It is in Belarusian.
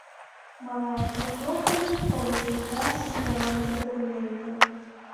Малая царква канчаткова знікае са старонак дакументаў.